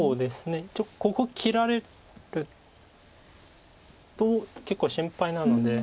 一応ここ切られると結構心配なので。